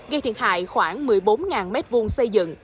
gây thiệt hại khoảng một mươi bốn m hai xây dựng